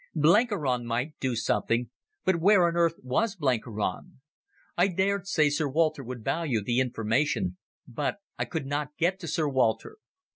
Blenkiron might do something, but where on earth was Blenkiron? I dared say Sir Walter would value the information, but I could not get to Sir Walter.